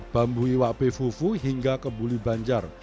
bambu iwak pefufu hingga kebuli banjar